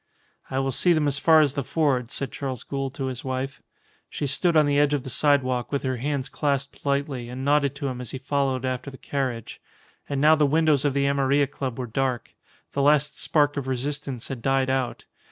"I will see them as far as the ford," said Charles Gould to his wife. She stood on the edge of the sidewalk with her hands clasped lightly, and nodded to him as he followed after the carriage. And now the windows of the Amarilla Club were dark. The last spark of resistance had died out.